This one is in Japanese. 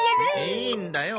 いいんだよ